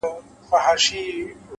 هره تېروتنه د درک نوې دروازه ده.!